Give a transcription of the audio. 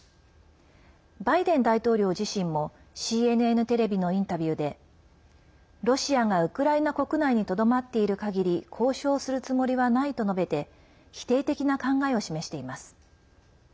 バイデン大統領自身もＣＮＮテレビのインタビューでロシアがウクライナ国内にとどまっている限り交渉するつもりはないと述べて否定的な考えを示しています。